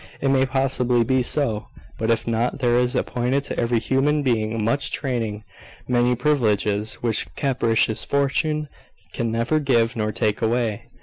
It may possibly be so; but if not, still there is appointed to every human being much training, many privileges, which capricious fortune can neither give nor take away.